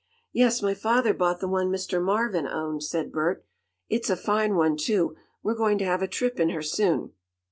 "Yes, my father bought the one Mr. Marvin owned," said Bert. "It's a fine one, too. We're going to have a trip in her soon."